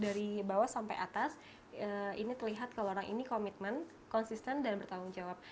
dari bawah sampai atas ini terlihat kalau orang ini komitmen konsisten dan bertanggung jawab